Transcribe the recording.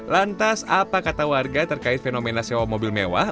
lantas apa kata warga terkait fenomena sewa mobil mewah